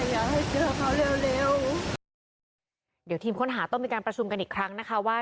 แล้วหนูก็เลยมาถึงที่เกินเหตุแล้วเขาบอกว่า